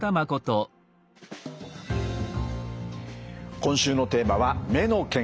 今週のテーマは「目の健康」です。